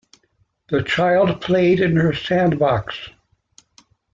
The child played in her sandbox.